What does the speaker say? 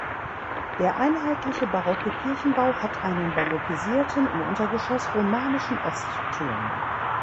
Der einheitliche barocke Kirchenbau hat einen barockisierten im Untergeschoss romanischen Ostturm.